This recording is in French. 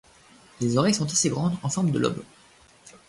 Les oreilles sont assez grandes en forme de lobe.